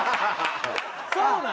そうなん？